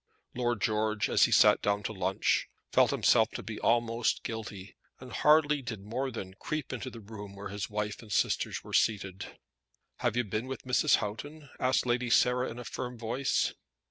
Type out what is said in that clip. Lord George, as he went down to lunch, felt himself to be almost guilty, and hardly did more than creep into the room where his wife and sisters were seated. "Have you been with Mrs. Houghton?" asked Lady Sarah in a firm voice.